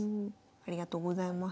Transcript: ありがとうございます。